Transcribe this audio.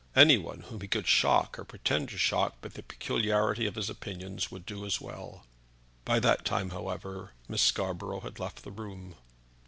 Any one whom he could shock, or pretend to shock, by the peculiarity of his opinions, would do as well." By that time, however, Miss Scarborough had left the room.